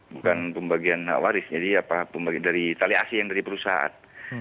bukan pembagian hak waris jadi apa pembagian dari tali asih yang dari perusahaan